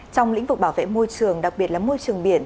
trong lĩnh vực bảo vệ môi trường đặc biệt là môi trường biển